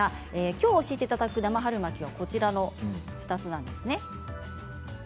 きょう教えていただく生春巻きはこちらの２つです。